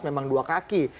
memang dua kaki